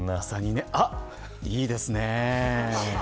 あ、いいですね。